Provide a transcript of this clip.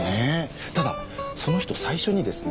ただその人最初にですね